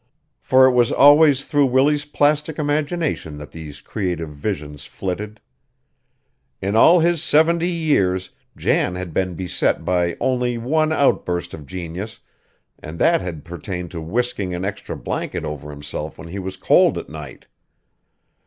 For it was always through Willie's plastic imagination that these creative visions flitted. In all his seventy years Jan had been beset by only one outburst of genius and that had pertained to whisking an extra blanket over himself when he was cold at night.